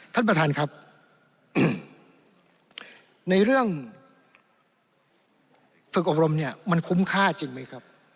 ท่านประธานครับในเรื่องฝึกอบรมเนี่ยมันคุ้มค่าจริงไหมครับ